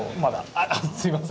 あっすいません。